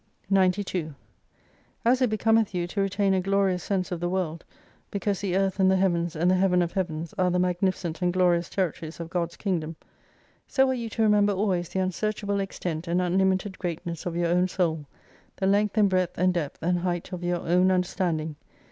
K 145 92 As it becometh you to retain a glorious sense of the world, because the Earth and the Heavens and the Heaven of Heavens are the magnificent and glorious territories of God's Kingdom, so are you to remember always the unsearchable extent and unlimited greatness of your own soul ; the length and breadth and depth, and height of your own understanding.